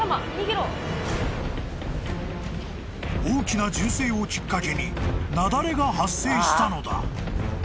［大きな銃声をきっかけに雪崩が発生したのだ］